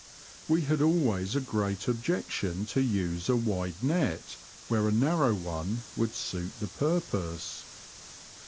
We had always a great objection to use a wide net where a narrow one would suit the purpose.